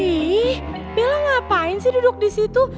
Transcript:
ih bilang ngapain sih duduk di situ